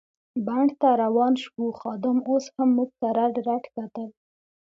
بڼ ته روان شوو، خادم اوس هم موږ ته رډ رډ کتل.